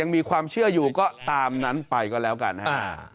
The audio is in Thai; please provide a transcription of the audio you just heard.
เอาอะไรมาจับใส่ยำกันไปเรื่อย